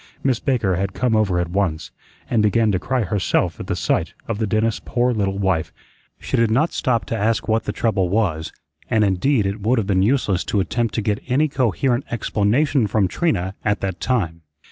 Miss Baker had come over at once, and began to cry herself at the sight of the dentist's poor little wife. She did not stop to ask what the trouble was, and indeed it would have been useless to attempt to get any coherent explanation from Trina at that time.